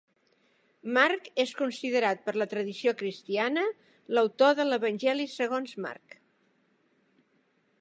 Marc és considerat per la tradició cristiana l'autor de l'Evangeli segons Marc.